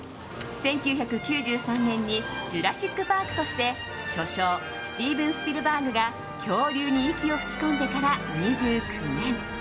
１９９３年に「ジュラシック・パーク」として巨匠スティーブン・スピルバーグが恐竜に息を吹き込んでから２９年。